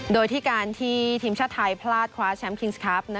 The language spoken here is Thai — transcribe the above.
โดยที่การที่ทีมชาติไทยพลาดคว้าแชมป์คิงส์ครับ